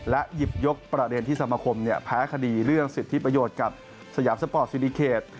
หยิบยกประเด็นที่สมคมแพ้คดีเรื่องสิทธิประโยชน์กับสยามสปอร์ตซิริเขต